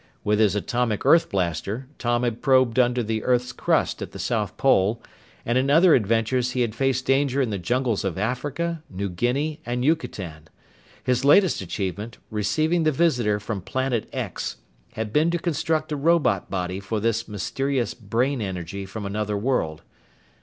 With his atomic earth blaster, Tom had probed under the earth's crust at the South Pole, and in other adventures he had faced danger in the jungles of Africa, New Guinea, and Yucatan. His latest achievement, receiving the visitor from Planet X, had been to construct a robot body for this mysterious brain energy from another world.